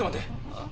ああ？